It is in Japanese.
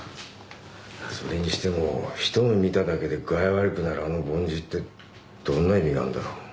それにしても一目見ただけで具合悪くなるあの梵字ってどんな意味があんだろう？